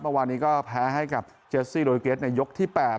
เมื่อวานนี้ก็แพ้ให้กับเจสซี่โรยเกสในยกที่๘